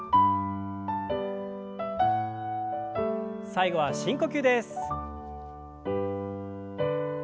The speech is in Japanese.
最後は深呼吸です。